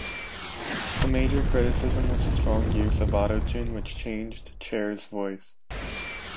The major criticism was the strong use of Auto-Tune which changed Cher's voice.